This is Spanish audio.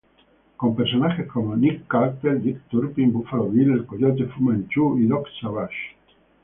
Con personajes como Nick Carter, Dick Turpin, Buffalo Bill, El Coyote, Fu-Manchú, Doc Savage.